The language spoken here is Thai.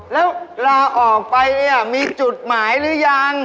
แล้วลาออกไปเนี่ยมีจุดหมายหรือยัง